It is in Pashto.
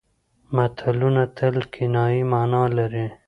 متلونه تل کنايي مانا لري